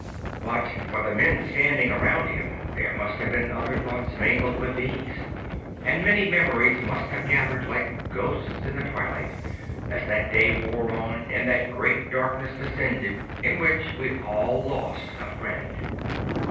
But for the men standing around him there must have been other thoughts mingling with these; and many memqries must have gathered like ghosts in the twilight, as that day wore on and that great darkness descended in which we all lost a friend.